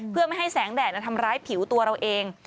เพื่อไม่ให้แสงแดดทำร้ายผิวตัวเราเอง